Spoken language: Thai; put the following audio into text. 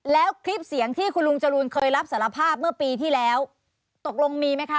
แล้วคลิปเสียงที่คุณลุงจรูนเคยรับสารภาพเมื่อปีที่แล้วตกลงมีไหมคะ